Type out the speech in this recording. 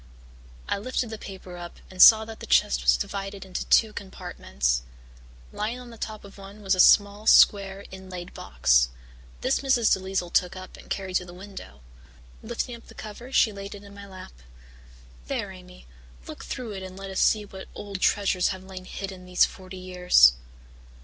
I lifted the paper up and saw that the chest was divided into two compartments. Lying on the top of one was a small, square, inlaid box. This Mrs. DeLisle took up and carried to the window. Lifting up the cover she laid it in my lap. "There, Amy, look through it and let us see what old treasures have lain hidden there these forty years."